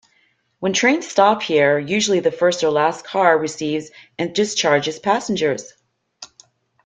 When trains stop here, usually the first or last car receives and discharges passengers.